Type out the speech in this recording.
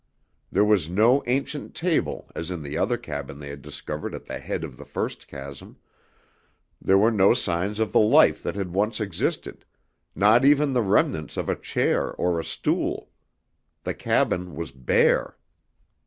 There was no ancient table, as in the other cabin they had discovered at the head of the first chasm, there were no signs of the life that had once existed, not even the remnants of a chair or a stool. The cabin was bare.